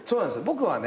僕はね